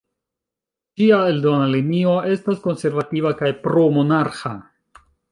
Ĝia eldona linio estas konservativa kaj pro-monarĥa.